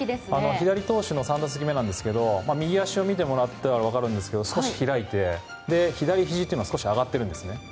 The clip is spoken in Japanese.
左投手の３打席目なんですが右足を見てもらうと分かるんですけど、少し開いて左ひじが少し上がってるんです。